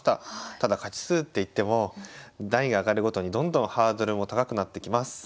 ただ勝ち数っていっても段位が上がるごとにどんどんハードルも高くなってきます。